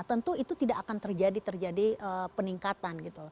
tentu itu tidak akan terjadi peningkatan